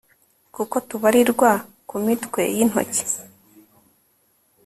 kuko tubarirwa ku mitwe y'intoki